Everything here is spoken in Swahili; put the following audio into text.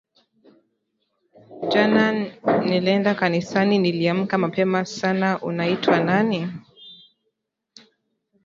Jana nilenda kanisani Niliamka mapema sana Unaitwa nani?